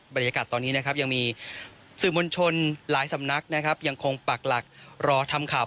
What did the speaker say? บรรยากาศตอนนี้ยังมีสื่อมณชนหลายสำนักยังคงปรักหลักรอทำข่าว